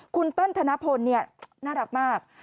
คุณเติ้ลธนพลน่ารักมาก